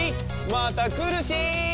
またくるし！